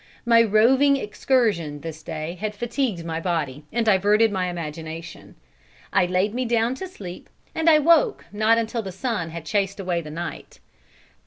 My roving excursion this day had fatigued my body and diverted my imagination. I laid me down to sleep, and I woke not until the sun had chased away the night.